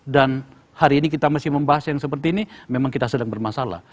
dan hari ini kita masih membahas yang seperti ini memang kita sedang bermasalah